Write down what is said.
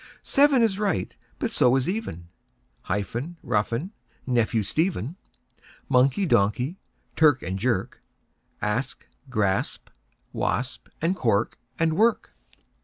Seven is right, but so is even; Hyphen, roughen, nephew, Stephen; Monkey, donkey; clerk and jerk; Asp, grasp, wasp; and cork and work.